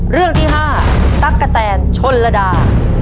เรื่องที่๕ตั๊กกะแตนชนระดา